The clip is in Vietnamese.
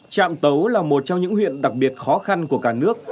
trạm tấu là một trong những huyện đặc biệt khó khăn của cả nước